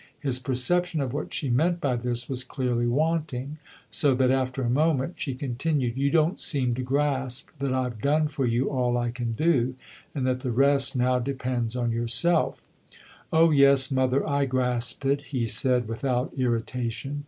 His perception of what she meant by this was clearly wanting, so that after a moment she con tinued :" You don't seem to grasp that I've done for you all I can do, and that the rest now depends on yourself." THE OTHER HOUSE 120 " Oh yes, mother, I grasp it," he said without irritation.